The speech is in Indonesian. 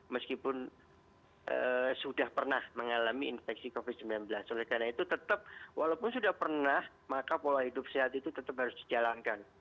meskipun sudah pernah mengalami infeksi covid sembilan belas oleh karena itu tetap walaupun sudah pernah maka pola hidup sehat itu tetap harus dijalankan